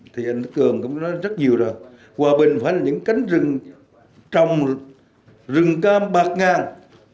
thì anh cường cũng nói rất nhiều rồi hòa bình phải là những cánh rừng trồng rừng cam bạc ngang